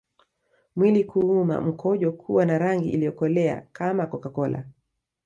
Mwili kuuma mkojo kuwa na rangi iliyokolea kama CocaCola